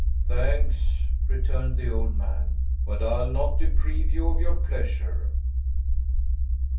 "Thanks," returned the old man. "But I'll not deprive you of your pleasure."